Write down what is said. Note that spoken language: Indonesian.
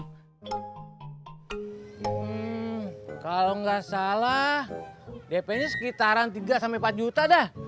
hmm kalau nggak salah dp nya sekitaran tiga sampai empat juta dah